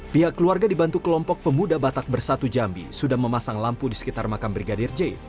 pihak keluarga dibantu kelompok pemuda batak bersatu jambi sudah memasang lampu di sekitar makam brigadir j